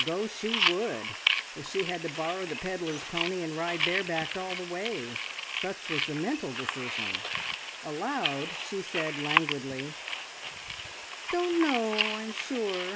Go she would, if she had to borrow the pedlar's pony and ride barebacked all the way. Such was the mental decision; aloud she said languidly "Don't know, I'm sure!